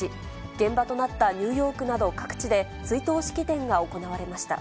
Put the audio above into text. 現場となったニューヨークなど各地で、追悼式典が行われました。